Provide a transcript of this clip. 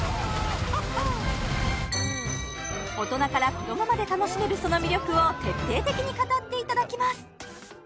大人から子どもまで楽しめるその魅力を徹底的に語っていただきます